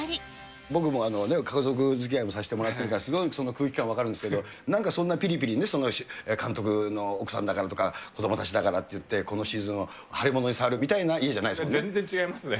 僕も家族づきあいもさせてもらってるから、すごいその空気感分かるんですけど、なんかそんなぴりぴりね、監督の奥さんだからとか子どもたちだからといって、このシーズンははれ物に触るみたいな家じゃないですもんね。